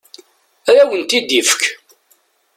Ad awent-t-id-ifek.